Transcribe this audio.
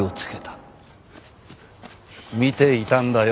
見ていたんだよ